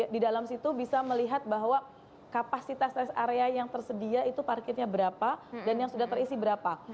di dalam situ bisa melihat bahwa kapasitas rest area yang tersedia itu parkirnya berapa dan yang sudah terisi berapa